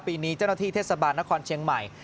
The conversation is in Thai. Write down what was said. ปีนี้เจ้าหน้าที่เทศบาลนครเชียงใหม่